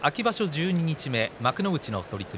十二日目、幕内の取組。